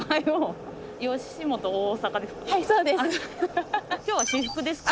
「吉本大阪」ですか？